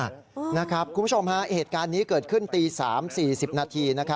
คุณผู้ชมฮะเหตุการณ์นี้เกิดขึ้นตี๓๔๐นาที